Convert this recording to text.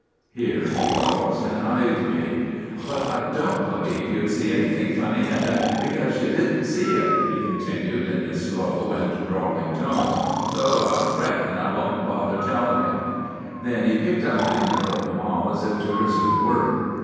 "Here he paused and eyed me. "'But I don't believe you'd see anything funny in it, because you didn't see it,' he continued in his slow and drawling tones 'so I reckon I won't bother telling you.' "Then he picked up the handle of the mall as if to resume work.